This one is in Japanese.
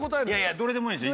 どれでもいいんですよ